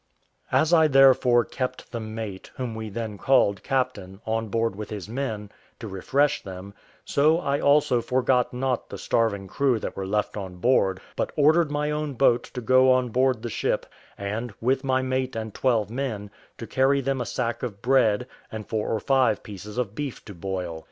As I therefore kept the mate, whom we then called captain, on board with his men, to refresh them, so I also forgot not the starving crew that were left on board, but ordered my own boat to go on board the ship, and, with my mate and twelve men, to carry them a sack of bread, and four or five pieces of beef to boil.